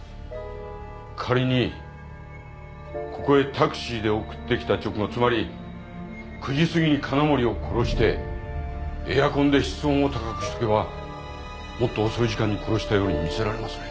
仮にここへタクシーで送ってきた直後つまり９時すぎに金森を殺してエアコンで室温を高くしとけばもっと遅い時間に殺したように見せられますね。